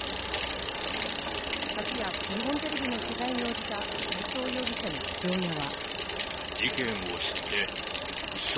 昨夜、日本テレビの取材に応じた斎藤容疑者の父親は。